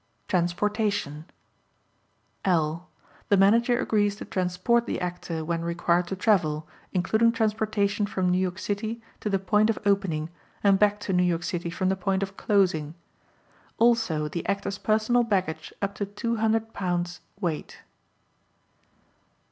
Transportation (L) The Manager agrees to transport the Actor when required to travel, including transportation from New York City to the point of opening and back to New York City from the point of closing; also the Actor's personal baggage up to two hundred pounds weight.